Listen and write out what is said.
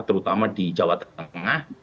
terutama di jawa tengah